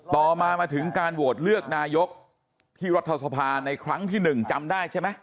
ต่อมามาถึงการโหวตเลือกนายกที่รัฐสภาในครั้งที่๑จำได้ใช่ไหม